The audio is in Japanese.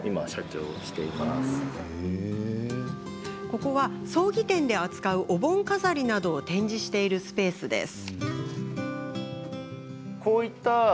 ここは、葬儀店で扱うお盆飾りなどを展示しているスペースです。